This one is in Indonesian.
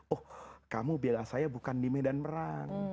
oh kamu bela saya bukan di medan perang